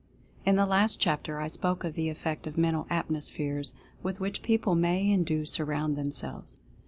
In the last chapter I spoke of the effect of Mental Atmospheres with which people may and do surround themselves.